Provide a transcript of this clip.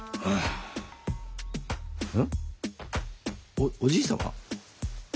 おっおじい様？